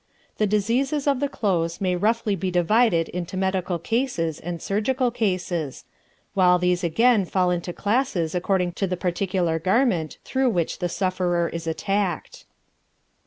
The diseases of the clothes may roughly be divided into medical cases and surgical cases, while these again fall into classes according to the particular garment through which the sufferer is attacked.